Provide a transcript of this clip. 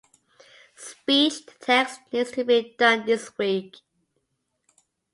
Speech to text needs to be done this week.